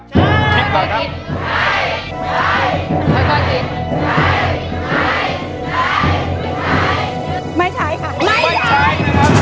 ใช้ใช้ใช้ไม่ใช้ไม่ใช้ไม่ใช้ไม่ใช้ไม่ใช้